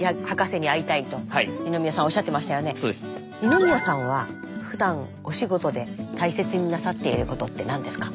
二宮さんはふだんお仕事で大切になさっていることって何ですか？